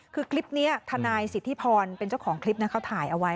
คือคลิปนี้ทนายสิทธิพรเป็นเจ้าของคลิปเขาถ่ายเอาไว้